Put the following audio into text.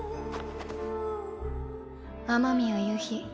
雨宮夕日。